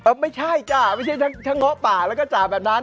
ไม่ใช่จ้ะไม่ใช่ทั้งเงาะป่าแล้วก็จ่าแบบนั้น